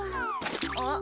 あっ？